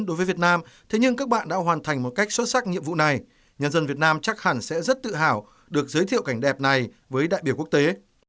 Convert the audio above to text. đối với việt nam thế nhưng các bạn đã hoàn thành một cách xuất sắc nhiệm vụ này nhân dân việt nam chắc hẳn sẽ rất tự hào được giới thiệu cảnh đẹp này với đại biểu quốc tế